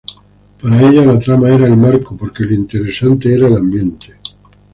Para ella la trama era el marco porque lo interesante era el ambiente.